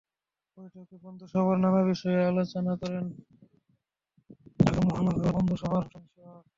বৈঠকে বন্ধুসভার নানা বিষয়ে আলোচনা করেন ঢাকা মহানগর বন্ধুসভার হোসাইন সোহাগ।